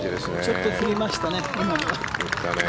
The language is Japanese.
ちょっと振りましたね。